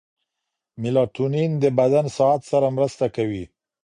میلاټونین د بدن ساعت سره مرسته کوي.